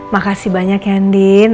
makasih banyak ya nandin